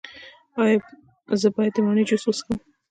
ایا زه باید د مڼې جوس وڅښم؟